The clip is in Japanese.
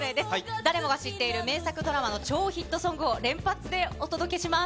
誰もが知っている名作ドラマの超ヒットソングを連発でお届けします。